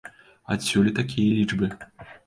Адсюль і такія лічбы.